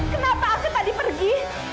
kenapa aku tak dipergi